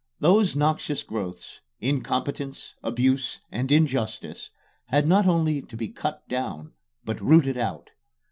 Those noxious growths, Incompetence, Abuse, and Injustice, had not only to be cut down, but rooted out.